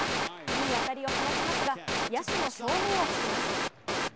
いい当たりを放ちますが野手の正面を突きます。